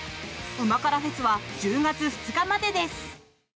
旨辛ＦＥＳは１０月２日までです。